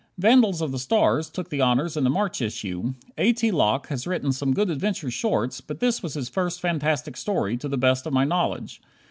"Vandals of the Stars" took the honors in the March issue. A. T. Locke has written some good adventure shorts, but this was his first fantastic story, to the best of my knowledge.